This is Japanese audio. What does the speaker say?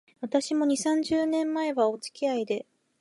私も、二、三十年前は、おつきあいで